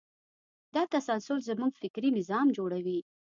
دا تسلسل زموږ فکري نظام جوړوي.